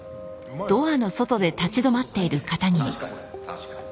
確かに。